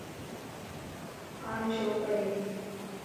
آ ڇو ڪري؟